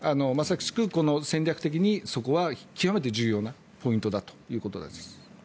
まさしく戦略的にそこが極めて重要なポイントだということです。